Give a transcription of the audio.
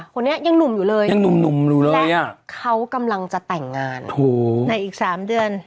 คนนี้ยังหนุ่มอยู่เลยและเขากำลังจะแต่งงานในอีก๓เดือน